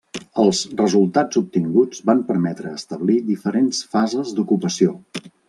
Els resultats obtinguts van permetre establir diferents fases d'ocupació.